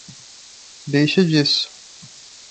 Deixa disso!